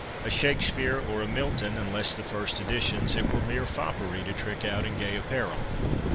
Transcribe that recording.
A Shakespeare or a Milton (unless the first editions) it were mere foppery to trick out in gay apparel.'